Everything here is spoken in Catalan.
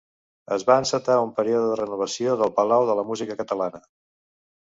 Es va encetar un període de renovació del Palau de la Música Catalana.